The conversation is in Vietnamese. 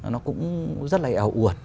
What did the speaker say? nó cũng rất là eo uột